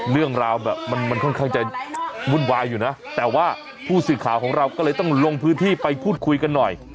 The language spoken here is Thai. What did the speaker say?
เรื่องราวแบบมันค่อนข้างจะวุ่นวายอยู่นะแต่ว่าผู้สื่อข่าวของเราก็เลยต้องลงพื้นที่ไปพูดคุยกันหน่อย